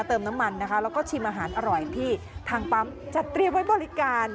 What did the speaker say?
เติมน้ำมันนะคะแล้วก็ชิมอาหารอร่อยที่ทางปั๊มจัดเตรียมไว้บริการ